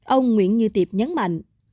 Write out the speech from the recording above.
ông nguyễn như tiệp nhấn mạnh